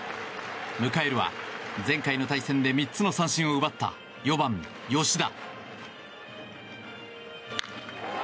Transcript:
迎えるは前回の対戦で３つの三振を奪った４番、吉田。